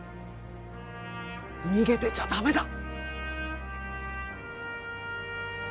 逃げてちゃダメだ！